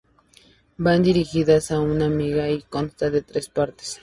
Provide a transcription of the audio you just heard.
Van dirigidas a una amiga y constan de tres partes.